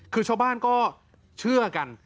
คือชาวบ้านก็เชื่อกัน